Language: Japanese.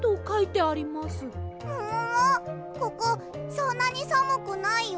ここそんなにさむくないよ？